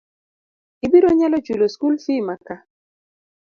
Ibiro nyalo chulo skul fii maka?